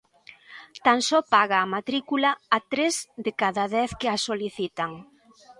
Tan só paga a matrícula a tres de cada dez que a solicitan.